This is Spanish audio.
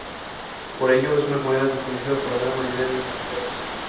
Por ello, es una comunidad desconocida para la gran mayoría de extranjeros.